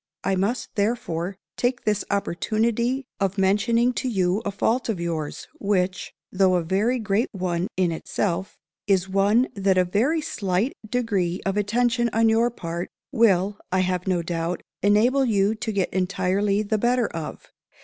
I must therefore take this opportunity of mentioning to you a fault of yours, which, though a very great _one _in itself, is one that a very slight degree of attention on your part, will, I have no doubt, enable you to get entirely the _better of.